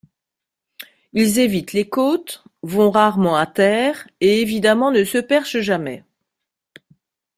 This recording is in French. Ils évitent les côtes, vont rarement à terre et évidemment ne se perchent jamais.